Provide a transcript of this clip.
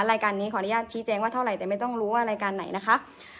รายการนี้ขออนุญาตชี้แจงว่าเท่าไหร่แต่ไม่ต้องรู้ว่ารายการไหนนะคะ